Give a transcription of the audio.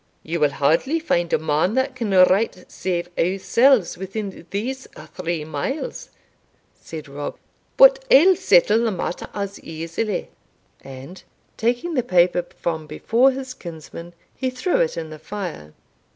"You will hardly find a man that can write save ourselves within these three miles," said Rob, "but I'll settle the matter as easily;" and, taking the paper from before his kinsman, he threw it in the fire.